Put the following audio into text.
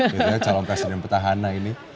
jadi calon presiden petahana ini